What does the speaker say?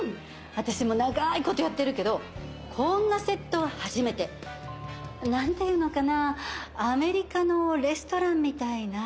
私も長い事やってるけどこんなセットは初めて。なんていうのかなアメリカのレストランみたいな。